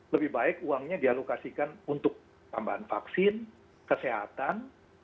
lebih baik uangnya dialokasikan untuk tambahan vaksin kesehatan